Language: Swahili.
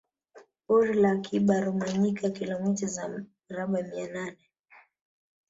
Pori la Akiba Rumanyika kilomita za mraba mia nane